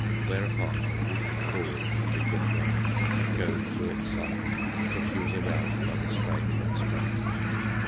Whereupon the dropping forward would begin again and go through its cycle till she was aroused by the strain and stretch.